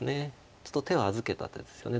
ちょっと手を預けた手ですよね。